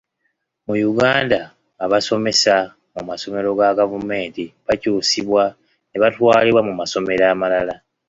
Mu Uganda abasomesa mu masomero ga gavumenti bakyusibwa nebatwalibwa mu masomero amalala.